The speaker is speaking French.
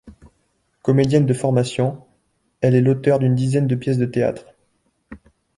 Comédienne de formation, elle est l'auteure d'une dizaine de pièces de théâtre.